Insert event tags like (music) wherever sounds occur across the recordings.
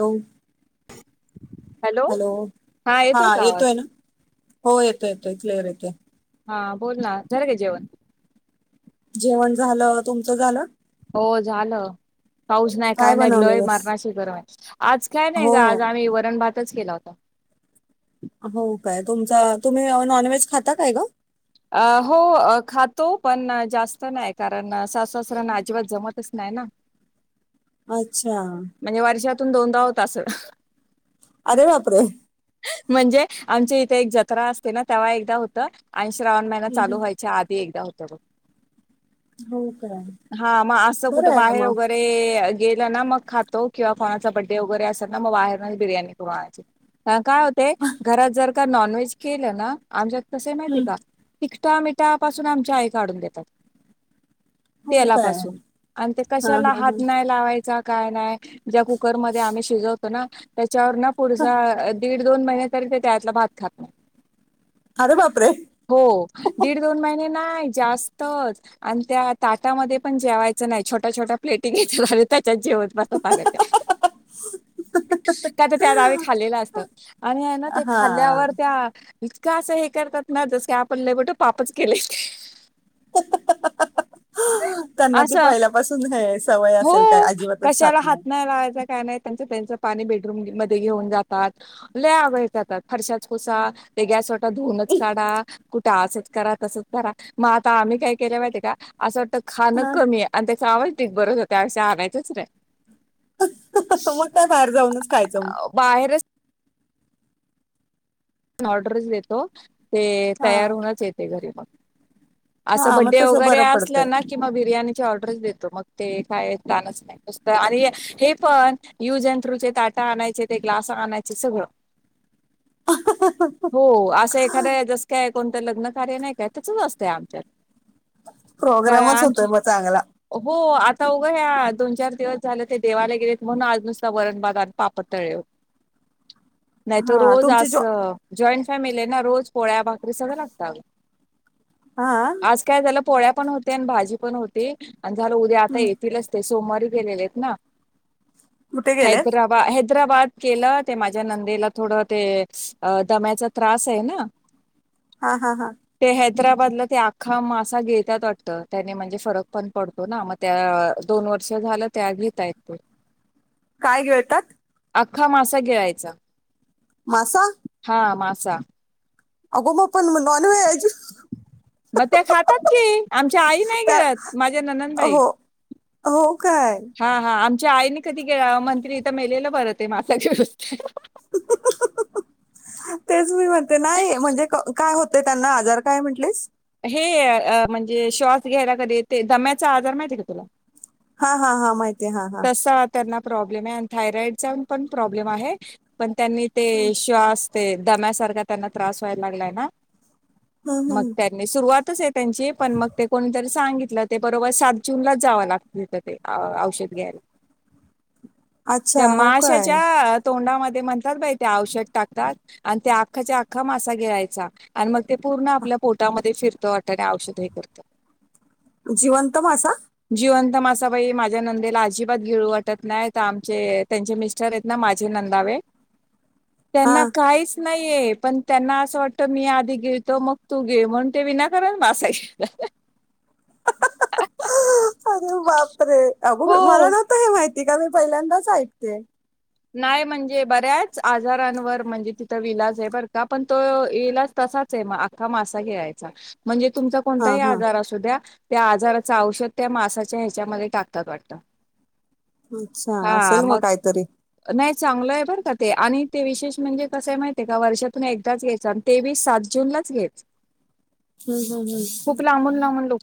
हो हॅलो हा येतोय ना हो येतोय केतले रक हा बोल ना झार का जेवण जेवण झालं तुमचं झालं हो झालं पाऊस नाही काय नाही लय मारण्याची गरम आहे आज काय नाही हो का आज आम्ही वरण भात गेला होता हो काय तुमच तुम्ही नॉन व्हेज खाता काय ग अ हो खातो पण जास्त नाही कारण सासासराना अजिबात जमतच नाही ना ह म्हणजे वर्षातून दोनदाव त अस अरे वापरे म्हणजे आमच्या इथे एक जत्रा असते ना तेव्हा एकदा होत श्रावण महिना चालू हम्म. व्हायच्या आधी एकदा होत बघ हो काय हा मग असं बरं कुठं आहे बाहेर मग वगैरे गेलं ना मग खातो किंवा कोणाचा बर्डे वगैरे असेल ना मग बाहेर नाही बिर्याणी करून आणायची अ काय होते घरात जर का नॉनव्हेज केलं ना आमच्या तस माहिती हम्म. का तिकटा मिठा पाासून आमच्या आई काढून देतात हो तेला काय पासून आणि ते हा कशाला हा हात हा नाही लावायचा काय नाही ज्या कुकरमध्ये आम्ही शिजवतो ना त्याच्यावर ना पुढचा दीड दोन महिन्या तरी ते त्यातला भात खात नाय अरे बापरे हो दीड दोन महिने नाही जास्तच आणि त्या ताटामध्ये पण जेवायचं नाही छटा छोट प्लेटिं गेलाेतात. जेवत म पागत काय तर त्या गावी खालेलं असत. आणि आहे ना ते हा खाल्ल्यावर त्या इचका असं हे करतात ना जस त्या पण ल बठो पापच केले. त्यांना ती अस पहिल्यापासून हे सवय हो असेल काय अजिबातच खात कशाला हात नाही लावायचा नाय आहे त्यांच त्यांच पाणी बेडरूम मध्ये घेऊन जातात लग जातात फरशाच पुसा ते गॅस वाटत धुऊनच काढा कुठे असंच करा तसच करा मग आता आम्ही काय केले माहिती का असं वाटतं खाणं हा. कमी आहे आणि त्याचा आवाज बरच होता त्याष आणायचंच नाय. मग काय बाहेर जाऊनच खायचं मग अ, बाहेरच ऑर्डर देतो ते हा तयार होऊनच येते घरी मग असं हा मग बड्डे तसं वगैरे बरं पडतंय असलं ना किंवा बिर्याणी ड दो काय नाही पण यज आणायचे ते ग्लास आणायचे सगळं (unintelligible) हो असं एक खरंय जस काय कोणतं लग्न कार्य नाही काय तसच असतंय आमच्यात. कारण प्रोग्रामच आमची होतोय म चांगला. हो आता उघं ह्या दोन चार दिवस झाले ते देवाला गेलेत म्हणून आज नुसता वरण भात आणि पापड तळेत. हो. (inaudible) नाही त रोज तुमची अस जो जॉईंट फॅमिली आहे ना रोज पोळ्या भाकरी सगळ लागत आग हा आज काय झालं पोळ्या पण होते आणि भाजी पण होते आणि झा उद्या आता हं. येतीलच ते सोमवारी गेलेले आहेत ना कुठे गेलेत हैदराबा है हैद्रबाद केलं ते माझ्या नंदेला थोड ते दम्याचा त्रास आहे ना. हा हा हा. हैद्राबाद ते आखा मासा गिळतात वाटतं त्याने म्हणजे फरक पण पडतो तो ना मग त्या दोन वर्ष झालं त्या घेतायत ते. काय गिळतात. आख्खा मासा गीळायचा. मासा. हा मासा. अगो मग पण नॉन व्हेज. मग त्या खातात की आमच्या आई नाही त्या गीळत माझ्या ननणंद बाई. हो हो काय. च्या आईने कधी गीळ म्हणतील हित मेलेलं बरं ते मासा गीळ तेच मी म्हणते नाही म्हणजे काय होत ते त्यांना आजार काय म्हंटलिस. हे अ म्हणजे श्वास घ्यायला कधी ते दम्याचा आजार माहितीय का तुला. हा हा हा माहिती आहे हा हा. प्रब्लेम आहे थायरॉइड चा पण प्रॉब्लेम आहे पण त्यांनी ते श्वास तेन ते दम्यासारखा त्यांना त्रास व्हायला लागलाय ना. हम् मग हम्. त्यांनी सुरुवातच आहे त्यांची पण मग ते कोणीतरी सांगित ल ते बरोबर सात जूनलाच जावं लागत तथ ते औषध घ्यायला. अच्छा त्या हो काय माशाच्या तोंडा मध्ये म्हणतात बाई ते औषध टाकतात, आणि ते आखा च्या आखा मासा गीळायचा आणि मग ते पूर्ण आपल्या मध्ये फिरतो वाट औषध हे करतो. जिवंत मासा? जिवंत मासा बाई माझ्या नंदेला अजिबात गिळू वाटत नाहीत ते आमचे त्यांचे मिस्टर आहेत ना माझे न दावे. (unintelligible) हा त्यांना काहीच नाहीये पण त्यांना असं वाटत मी आधी गेळतो मग, तू गीळ म्हणून ते विनाकारण वासाय. अरे बापरे अगो बा मला नव्हत हे माहिती का मी पहिल्यांदाच ऐकते. नाही म्हणजे बऱ्याच आजारांवर म्हणजे तिथं विलाज आहे बर का पण तो इलाज त साच हे. आखा मासा गीळायचा म्हणजे तुमचा हा कोणताही हा आजार असुद्या. त्या आजाराच औषध त्या मासाच्या ह्याच्यामध्ये टाकतात वाटत. अच्छा असेल मग कायतरी. नाही चांगलं आहे बरं का ते आणि ते विशेष म्हणजे कसंय माहितय का वर्षातून एकदाच घयच आणि तेबी सात जूनलाच घायच. हम्म हम् हम्.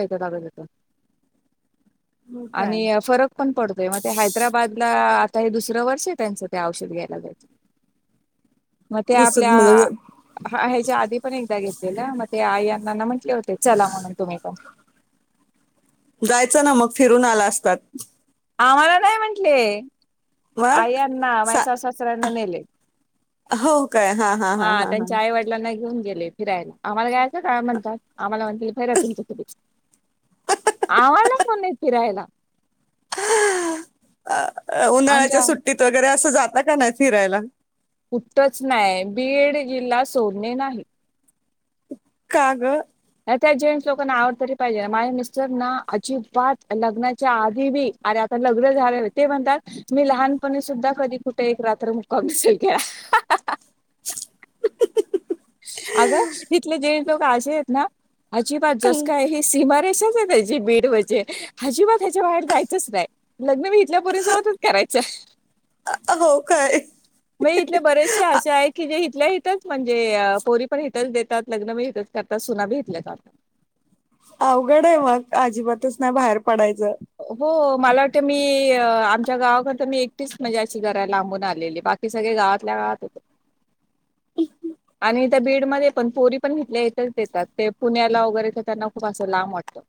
यत्यात आगोदर पण. हो काय आणि फरक पण पडतोय मग ते हैदराबादला आता हे दुसरं वर्ष, (unintelligible) त्यांच ते औषध घ्यायला जायचं. मग ते दुसर आपल्या म्हणजे (unintelligible) आधी पण एकदा घेतलेलं, मग ते आईना अण्णाना म्हंटले होते चला म्हणून तुम्ही पण. जायचना मग फिरून आला असतात. आम्हाला नाही म्हंटले. मग आई- अण्णा. सा माझ्या सासू सासऱ्यांना नेले. हो काय? हा, हा, हा, हा, ह. त्यांच्या आई वडिलांना घेऊन गेले फिरायला. आम्हाला (unintelligible) काय म्हणतात. आम्हाला म्हणतील फिरा तुमच तुम्हीच. आम्हाला कोणय फिरायला. अ अ उन्हाळ्याच्या आमच्या सुट्टीत वगैरे असं जाता का नाही फिरायला? कुठच नाही बीड जिल्हा सोडणे नाही. का ग? त्या जेंट्स लोकांना आवड तरी पाहिजे, माझ्या मिस्टर ना अजिबात लग्नाच्या आधी बी अरे आता लग्न झालं ते म्हणतात, मी लहानपणी सुद्धा कधी कुठे एक रात्र मुक्काम नसेल केला. (unintelligible) अग तिथले जे लोक असेयत ना, अजिबात जस काय ही सीमा (unintelligible) अजिबात ह्याच्या बाहेर जायचंच नाही. (unintelligible) त्या पोरिसोबतच करायच. हो काय म इथले बरेचसे आसे आहे की जे इथल्या इथंच म्हणजे पोरी पण हिथंच देतात, लग्न बी हथंच करतात, सुना बी हिथल्याच करतात. अवघडय मग, अजिबातच नाही बाहेर पडायचं. हो मला वाटतं, मी अ आमच्या गावाकड तर मी एकटीच म्हणजे अशी घर लांबून आलेली बाकी सगळे गावातल्या गावात येतं. (unintelligible) आणि त्या बीडमध्ये पण पोरी पण हिथल्या हिथेच येतात, ते पुण्याला वगैरे तर त्यांना खूप असं लांब वाटतं.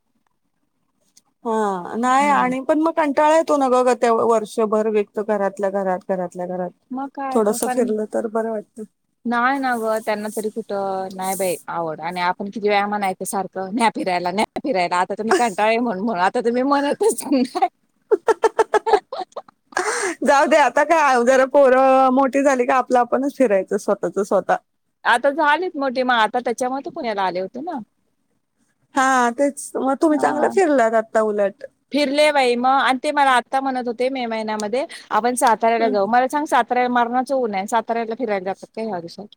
(unintelligible) हा नाही हम्म. आणि पण मग कंटाळा येतो ना ग ग त्या वर्षभर व्यक्त घरातल्या घरात घरात मग काय तो थोडस पण फिरलं तर बरं वाटतं नाहीय ना ग, त्यांना तरी कुठं? नाही बाई आवड आणि आप किती वेळा म्हणायंच सारखं, न्या फिरायला, न्या फिरायला आता कंटाळले म्हणून म्हणून. तर मी म्हणतच नाहि काय जाऊ दे, आता काय जरा पोरं मोठी झाली का आपलं आपणच फिरायचं स्वतःच स्वतः आता झालेत मोठे, मग आता त्याच्यामध्ये पुण्याला आले होते ना. हा तेच मग तुम्ही चांगलं हा फिरलात, आत्ता उलट. फिरले बाई मग आणि ते मला आता म्हणत होते. मे महिन्यामध्ये आपण साताऱ्याला हं, जाऊ, मला सांग साताऱ्याला मरणारच ऊनय. साताऱ्याला फिरायला जात (unintelligible) ह्य दिवसात.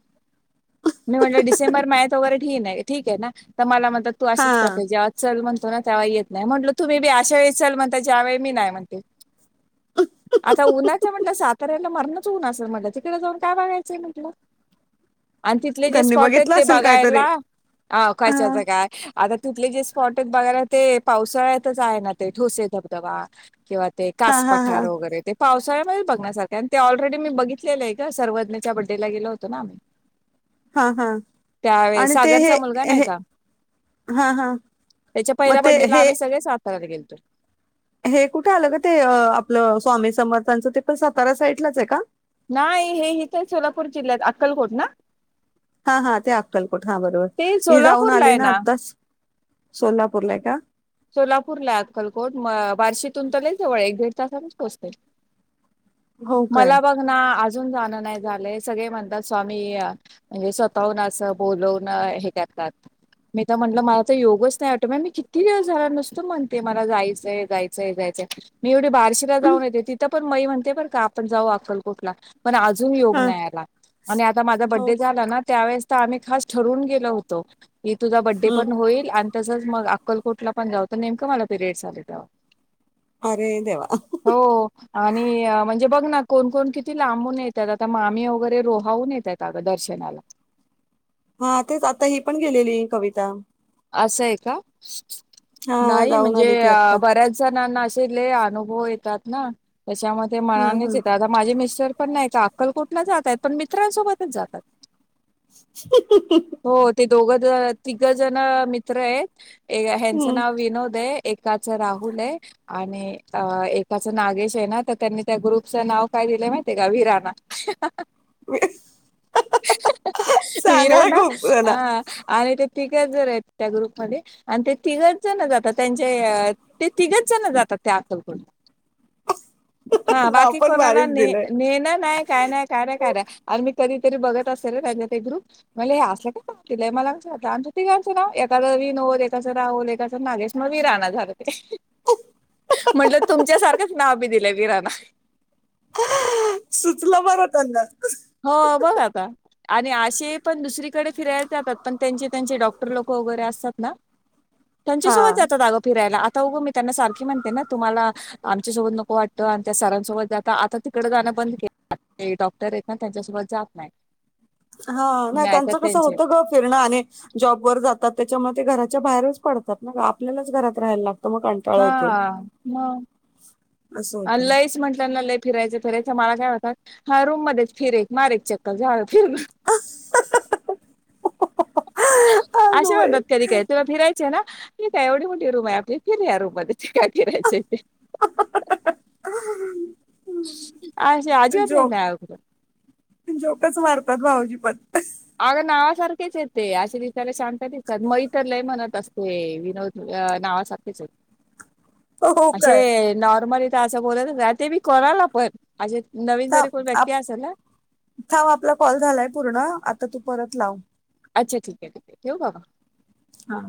मी म्हटलं, डिसेंबर महिन्यात वगैरे ठीन ठीके ना तर मला म तू अशीच हां, कर जेव्हा चल म्हणतो ना तेव्हा येत नाही म्हटलं तुम्ही बी मी चल म्हणतोय ज्या वळी मी नाही म्हणते. आता उन्हाच म्हणल्यावर साताऱ्या मरणाच ऊन असेल मनल. तिकडे जाऊन काय बगायचंय म्हटलं. आणि तिथले जे त्यांनी स्पॉट आहेत बघितलं ते असेल काहीतरी. बघायला. हा कशाच हां, काय आता तिथले जे स्पॉट आहेत बघायला ते पावसाळ्यातच आहे ना ते ठोसे धबधबा किंवा ते हां, कास हां, पठार हां, वगैरे. ते पाऊस (unintelligible) बघण्यासारख आणि ते ऑलरेडी मी बघितलेलंय ग. सर्वज्ञच्या बडेला गेल होतो ना आम्ही. हां, हां. त्यावेळेस, आणि ते हे सागरचा मुलगा नाही हे का? हां, हां. त्याच्या मग पहिल्या ते बड्डे ला हे आम्ही सगळे साताऱ्याला गेलतो. हे कुठे आलं ग ते? आपलं स्वामी समर्थांचं, ते पण सातारा साईटलाच आहे का? नाही हे इथ सोलापूर जिल्ह्यात. अक्कलकोट ना? हा हा. ते अक्कलकोट हा बरोबर ते मी जाऊन सोलापूरला आले आहे ना आत्ताच. सोलापूरला आहे का? सोलापूर ला अक्कलकोट म बार्शीतून तर लय जवळ एक दीड तासातच पोहचतय. हो काय? मला बघ ना आज अजून जाण नाही झालं सगळे म्हणतात स्वामी म्हणजे स्वतःहून अस बोलवन हे त्यांच मी तर म्हटलं मला तर योगच नाही आटो मी किती झा नसत म्हणते मला जायचंय, जायचंय, जायचंय मी एवढे बार्शीला हं, जाऊन येते तिथं पण म म्हणते ते बर का आपण जाऊ अक्कलकोटला पण अजून योग हां. नाही याला आणि आता माझा हो. बड्डे झाला ना त्यावेळेस आम्ही खास ठरून गेलो होतो की तुझा बडे हं. पण होईल आणि तसच मग अक्कलकोटला पण जाऊत नेमकं मला पिरियडस आले त्यावेळी अरे देवा! हो आणि म्हणजे बघ ना कोणकोण किती लांबून येतात आता मामी वगैरे रोहावून येतात अगं दर्शनाला हा तेच आता ही पण गेलेली कविता. अस आहे का हा नाही जाऊन म्हणजे आली ती आता. बऱ्याच जणांना असले अनुभव येतात ना त्याच्यामध्ये हम्म मनानेच येतात हम्म. आता माझे मिस्टर पण नाही का अक्कलकुटला जातात पण मित्रांसोबतच जातात. ि तित (unintelligible) दोघ तिघ जण मित्र आहेत. ह्यांचं हम्म नाव विनोद आहे एकाच राहुल आहे. आणि अ एकाच नागेश आहे ना तर त्यांनी त्या ग्रुपचं नाव काय दिलं माहित आहे का विराणा. चांगलाय विराना खूप जण हा आणि ते तिघच जर आहेत त्या ग्रुपमध्येध्ये आणि ते तिघच जण जातात त्यांचे ते तिघच जण जातात. त्या अक्कलकोट ला. (unintelligible) हा नाव बाकी पण कोणाला भारीच ने दिलंय. ने ना नाही काय नाही काय काय अर मी कधीतरी बघत असेल ना त्यांच्या ते ग्रुप म्हला हे अस का मला क वात आम तिघांच नाव एकाचं विनोद, एकाचं राहुल, एकाचं नागेश म्हण वी राणा झालं ते म्हंटलं तुमच्या सारखंच नाव बी दिलं वीराना. सुचलं बरं त्यांना हो बघ आता आणि असे पण दुसरीकडे फिरायला जातात पण त्यांचे त्यांचे डॉक्टर लोकं वगैरे असतात ना हा. त्यांच्यासोबत जातात अगं फिरायला आ त उग मी त्यांना सारखी म्हणते ना तुम्हाला, आमच्यासोबत नको वाटतं आणि त्या सरांसोबत जाता आता तिकडं जाणं बंद केलं आहे, डॉक्टर आहेत ना त्यांच्यासोबत जात नाही. हा, नाही तर त्यांचं कसं त्यांचे होत ग फिरणं आणि जॉबवर जातात ते च्यामुळं ते घराच्या बाहेरच पडतात ना आपल्यालाच घरात राहायला लाग हा, म असं आणि होतं. लयच म्हटलं ना लय फिरायचं फिरायचं मला काय म्हणतात, हा रूम मध्येच फिर एक मार एक चक्कर झालं फिर (unintelligible) अग अशा बाई म्हणतात कधी काय तुम्हाला फिरायचेय ना, ठीकय एवढी मोठी रूम आहे आपली फिर या रूम मध्ये. काय फीरायचंय ते जोक जोकच मारतात (unintelligible) भाऊजी पण. अगं नावासारखेच येते असे दिसायला शांत दिसतात म इतर लय म्हणत अस ते विनोद नावासारखेच आहेत हो हो काय असे नॉर्मल असं बोलतच नाय ते बी कोणाला पण असे नवीन थ जरी कोण आप व्यक्ती असेल ना थांब आपला कॉल झालाय पूर्ण, आता तू परत लाव. अच्छा ठीक आहे ठीक आहे, ठेऊ का मग? हा.